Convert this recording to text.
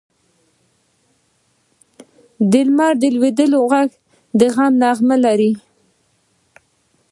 د لمر د لوېدو ږغ د غم نغمه لري.